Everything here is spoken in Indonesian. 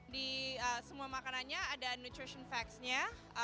di semua makanannya ada nutrition factsnya